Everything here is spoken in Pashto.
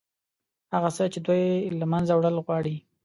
هغه څه چې دوی له منځه وړل غواړي.